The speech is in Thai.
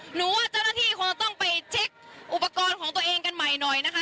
หนูว่าเจ้าหน้าที่คงต้องไปเช็คอุปกรณ์ของตัวเองกันใหม่หน่อยนะคะ